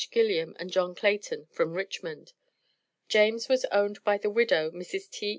Gilliam and John Clayton, from Richmond. James was owned by the widow, Mrs. T.